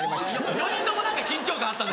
４人とも何か緊張感あった。